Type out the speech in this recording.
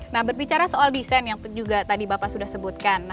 nah berbicara soal desain yang juga tadi bapak sudah sebutkan